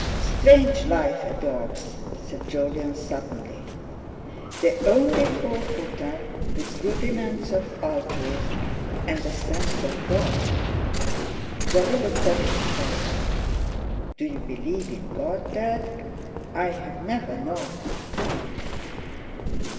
"Strange life a dog's," said Jolyon suddenly: "The only four footer with rudiments of altruism and a sense of God!" Jolly looked at his father. "Do you believe in God, Dad? I've never known."